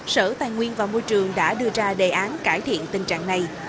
sở tài nguyên và môi trường đã đưa ra đề án cải thiện tình trạng này